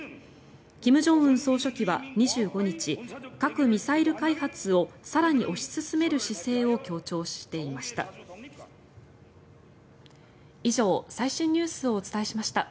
金正恩総書記は２５日核・ミサイル開発を更に推し進める姿勢を強調していました。